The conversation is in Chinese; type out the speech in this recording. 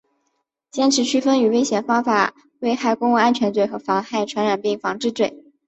坚持区分以危险方法危害公共安全罪和妨害传染病防治罪